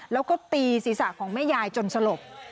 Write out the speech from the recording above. แล้วก็ตีศีรษะของแม่ยายจนสลบ